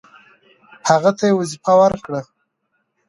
هغه ته یې وظیفه ورکړه.